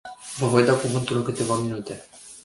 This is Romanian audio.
Vă voi da cuvântul în câteva minute.